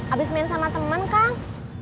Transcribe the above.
abis main sama teman kang